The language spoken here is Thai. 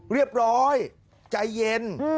เรียบร้อยใจเย็น